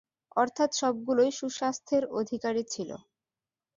অর্থাৎ সবগুলোই সুস্বাস্থ্যের অধিকারী ছিল।